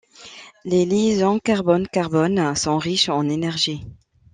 Les liaisons carbone-carbone sont riches en énergie.